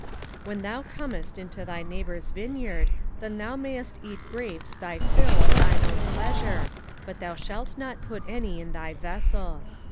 05:023:024 When thou comest into thy neighbour's vineyard, then thou mayest eat grapes thy fill at thine own pleasure; but thou shalt not put any in thy vessel.